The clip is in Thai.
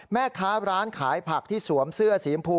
แม่ค้าร้านขายผักที่สวมเสื้อสีชมพู